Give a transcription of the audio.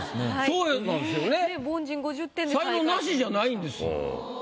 才能ナシじゃないんですよ。